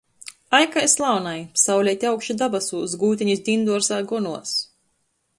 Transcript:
Ai, kai slaunai: sauleite augši dabasūs, gūtenis dīnduorzā gonuos!